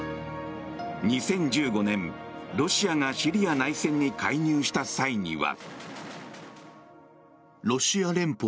２０１５年、ロシアがシリア内戦に介入した際には。